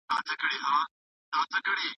د فارابي نظرونه ډېر دقيق وو.